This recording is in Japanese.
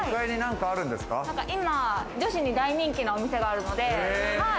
今、女子に大人気のお店があるので。